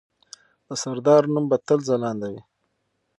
د سردار نوم به تل ځلانده وي.